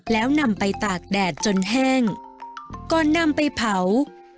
แล้วนำไปตากแดดจนแห้งก่อนนำไปเผา